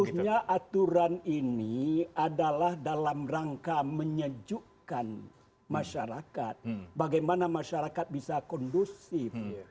sebetulnya aturan ini adalah dalam rangka menyejukkan masyarakat bagaimana masyarakat bisa kondusif